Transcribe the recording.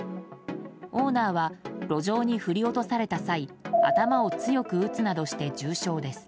オーナーは路上に振り落とされた際頭を強く打つなどして重傷です。